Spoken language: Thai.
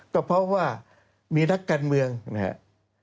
ก็เพราะว่ามีนักการเมืองนะครับ